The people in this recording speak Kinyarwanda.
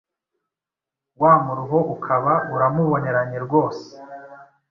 wa muruho ukaba uramuboneranye rwose